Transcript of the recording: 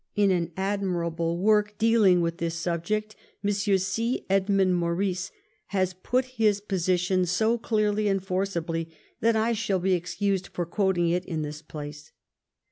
In an admirable work dealing with this subject,* Mr. C. Edmund Maurice has put his position so clearly and forcibly that I shall be excused for quoting it in this place.